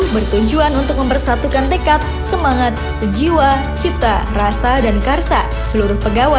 bersama kita bersatu